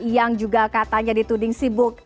yang juga katanya dituding sibuk